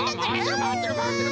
あっまわってるまわってる！